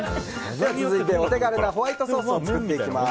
続いて、お手軽なホワイトソースを作っていきます。